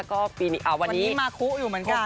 ก็ปีนี้อ่ะวันนี้วันนี้มาคุ้ออยู่เหมือนกันนะค่ะ